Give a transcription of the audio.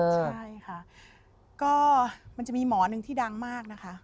ใช่ค่ะก็มันจะมีหมอหนึ่งที่ดังมากนะคะ